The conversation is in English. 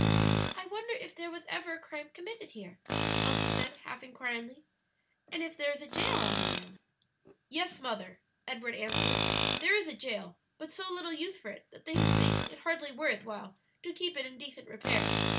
"I wonder if there was ever a crime committed here?" Elsie said, half inquiringly. "And if there is a jail on the island?" "Yes, mother," Edward answered; "there is a jail, but so little use for it that they think it hardly worth while to keep it in decent repair.